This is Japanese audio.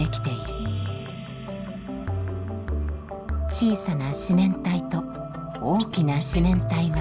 小さな四面体と大きな四面体は相似。